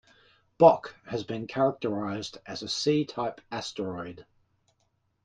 "Bok" has been characterized as a C-type asteroid.